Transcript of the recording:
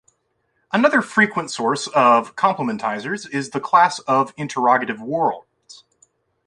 Another frequent source of complementizers is the class of interrogative words.